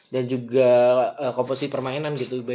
dan juga komposisi permainan gitu